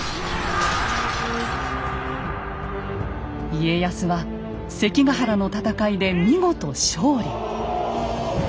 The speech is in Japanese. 家康は関ヶ原の戦いで見事勝利。